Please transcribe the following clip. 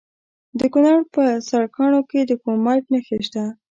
د کونړ په سرکاڼو کې د کرومایټ نښې شته.